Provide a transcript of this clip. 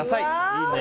いいね。